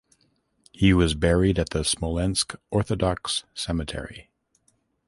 He was buried at the Smolensk Orthodox cemetery.